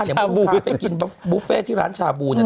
เดี๋ยวมีค้าไปกินบุฟเฟต์ที่ร้านชาบูเนี่ย